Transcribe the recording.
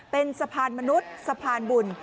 เป็นสะพานมนุษย์สะพานบุญ